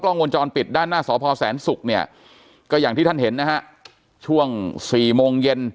กล้องวนจอล้นปิดด้านหน้าสพแสนศุกร์อย่างที่ท่านเห็นช่วง๔โมงเกี่ยน